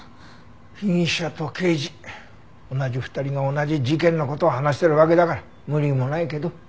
被疑者と刑事同じ２人が同じ事件の事を話してるわけだから無理もないけど。